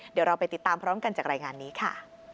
เดี๋ยวเราไปติดตามพร้อมกันจากรายงานนี้ค่ะ